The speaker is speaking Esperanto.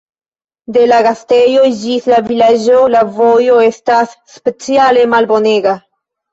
De la gastejo ĝis la vilaĝo, la vojo estas speciale malbonega.